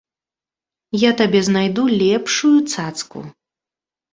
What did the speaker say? Я табе знайду лепшую цацку.